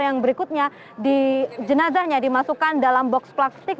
yang berikutnya jenazahnya dimasukkan dalam box plastik